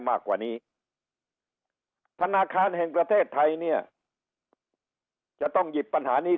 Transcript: มากกว่านี้ธนาคารแห่งประเทศไทยเนี่ยจะต้องหยิบปัญหานี้